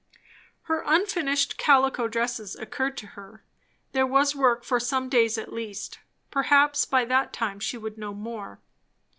Her unfinished calico dresses occurred to her. There was work for some days at least. Perhaps by that time she would know more.